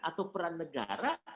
atau peran negara